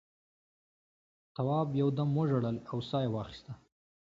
تواب یو دم وژړل او سا یې واخیسته.